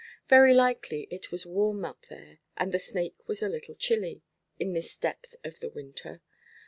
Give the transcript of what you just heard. Very likely it was warm up there, and the snake was a little chilly, in this depth of the winter.